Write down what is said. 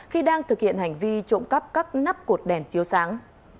khi đang thực hiện hành vi trộm cắp các nắp cột đèn chiếu sáng